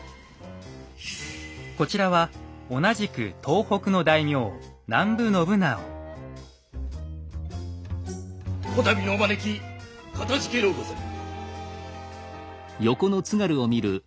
こちらは同じく東北の大名此度のお招きかたじけのうござる。